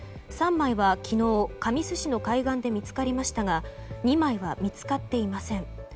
３枚は、昨日神栖市の海岸で見つかりましたが２枚は見つかっていません。